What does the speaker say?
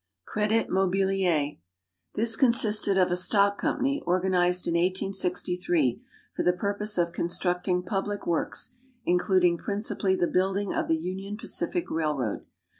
=Credit Mobilier.= This consisted of a stock company, organized in 1863, for the purpose of constructing public works, including principally the building of the Union Pacific Railroad.